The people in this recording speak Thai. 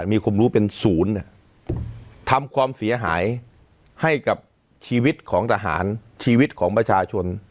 มีความรู้เป็นศูนย์ทำความเสียหายให้กับชีวิตของทหารชีวิตของประชาชน